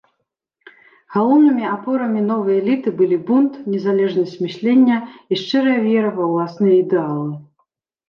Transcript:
Галоўнымі апорамі новай эліты былі бунт, незалежнасць мыслення і шчырая вера ва ўласныя ідэалы.